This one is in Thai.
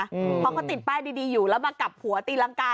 เพราะเขาติดป้ายดีอยู่แล้วมากลับหัวตีรังกา